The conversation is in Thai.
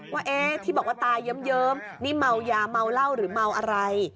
ว่าที่บอกว่าตายเยิ้มนี่เมายาเมาเหล้าหรือเมาอะไร